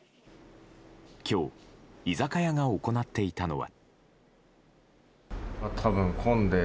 今日、居酒屋が行っていたのは。